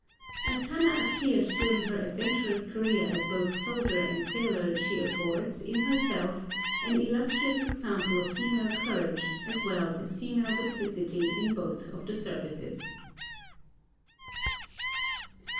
As Hannah appeared during her adventurous career as both soldier and sailor she affords, in herself, an illustrious example of female courage as well as female duplicity in both of the services.